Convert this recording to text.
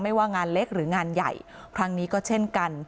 ว่างานเล็กหรืองานใหญ่ครั้งนี้ก็เช่นกัน